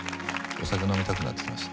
お酒飲みたくなってきました。